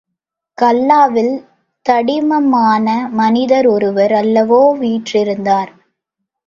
கல்லாவில் தடிமனான மனிதர் ஒருவர் அல்லவோ வீற்றிருந்தார்!....